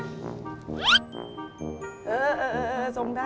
เออจงได้